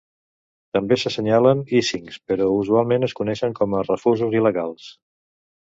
També s'assenyalen "icings", però usualment es coneixen com a refusos il·legals.